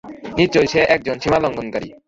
নিশ্চয়ই সে একজন সীমালংঘনকারী।